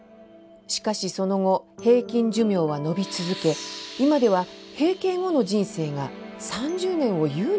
しかしその後平均寿命はのび続け今では閉経後の人生が３０年を優に超えています。